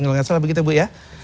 nggak salah begitu ya